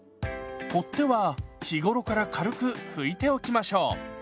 取っ手は日頃から軽く拭いておきましょう。